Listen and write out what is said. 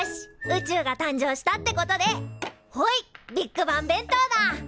宇宙が誕生したってことでほいビッグバン弁当だ！